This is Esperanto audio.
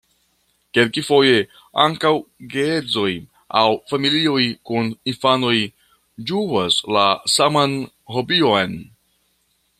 Kelkfoje ankaŭ geedzoj aŭ familioj kun infanoj ĝuas la saman hobion.